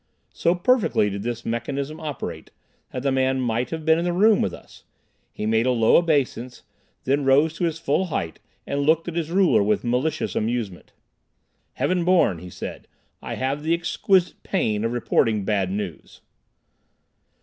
So perfectly did this mechanism operate, that the man might have been in the room with us. He made a low obeisance, then rose to his full height and looked at his ruler with malicious amusement. "Heaven Born," he said, "I have the exquisite pain of reporting bad news."